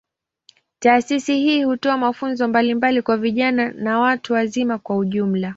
Taasisi hii hutoa mafunzo mbalimbali kwa vijana na watu wazima kwa ujumla.